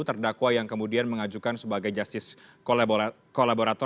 terdakwa yang kemudian mengajukan sebagai justice kolaborator